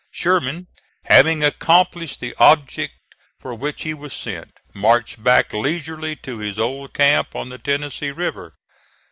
Sherman, having accomplished the object for which he was sent, marched back leisurely to his old camp on the Tennessee River.